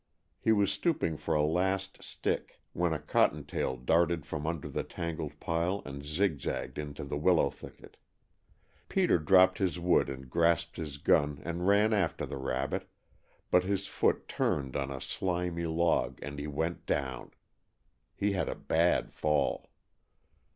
He was stooping for a last stick when a cotton tail darted from under the tangled pile and zig zagged into the willow thicket. Peter dropped his wood and grasped his gun and ran after the rabbit, but his foot turned on a slimy log and he went down. He had a bad fall.